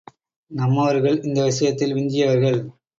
நம்மவர்கள் இந்த விஷயத்தில் விஞ்சியவர்கள்.